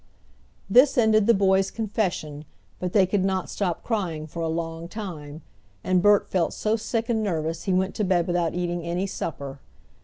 This ended the boys' confession, but they could not stop crying for a long time, and Bert felt so sick and nervous he went to bed without eating any supper.